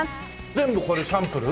全部これサンプル？